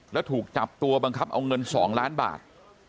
แล้วถูกจับตัวบังคับเอาเงิน๒ล้านบาท